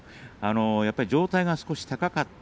上体が高かった。